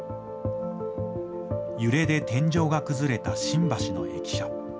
揺れで天井が崩れた新橋の駅舎。